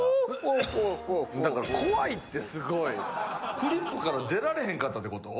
フリップから出られへんかったってこと？